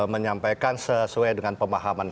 menyampaikan sesuai dengan pemahaman